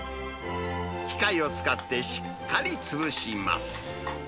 機械を使ってしっかり潰します。